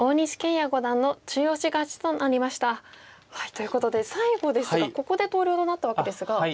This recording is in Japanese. ということで最後ですがここで投了となったわけですが。